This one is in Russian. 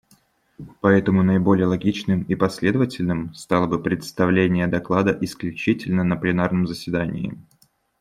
Поэтому наиболее логичным и последовательным стало бы представление доклада исключительно на пленарном заседании.